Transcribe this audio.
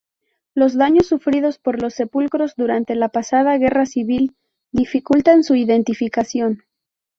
Los daños sufridos por los sepulcros durante la pasada Guerra Civil dificultan su identificación.